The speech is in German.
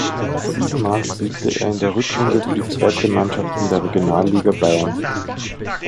Siebenmal spielte er in der Rückrunde für die zweite Mannschaft in der Regionalliga Bayern.